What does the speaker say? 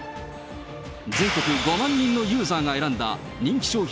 全国５万人のユーザーが選んだ人気商品